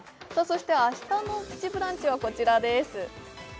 そして明日の「プチブランチ」はこちらです